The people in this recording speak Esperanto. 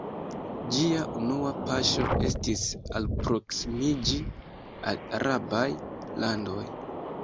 Ĝia unua paŝo estis alproksimiĝi al arabaj landoj.